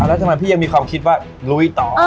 แล้วทำไมพี่ยังมีความคิดว่าลุยต่อ